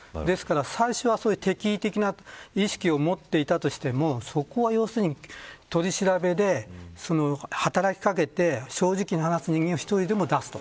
最初は敵意的な意識を持っていたとしてもそこは要するに取り調べで働き掛けて正直に話す人間を一人でも出す。